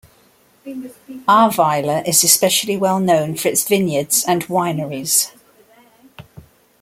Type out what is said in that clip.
Ahrweiler is especially well known for its vinyards and wineries.